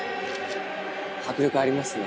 迫力ありますね。